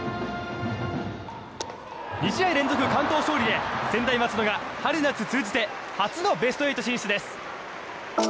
２試合連続完投勝利へ専大松戸が春夏通じて初のベスト８進出です。